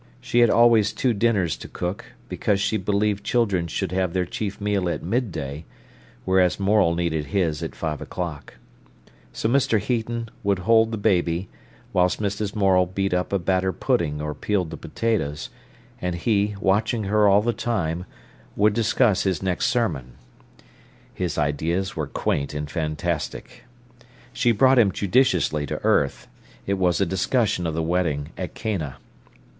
She had always two dinners to cook, because she believed children should have their chief meal at midday, whereas Morel needed his at five o'clock. So Mr. Heaton would hold the baby, whilst Mrs. Morel beat up a batter pudding or peeled the potatoes, and he, watching her all the time, would discuss his next sermon. His ideas were quaint and fantastic. She brought him judiciously to earth. It was a discussion of the wedding at Cana.